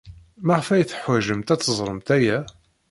Maɣef ay teḥwajemt ad teẓremt aya?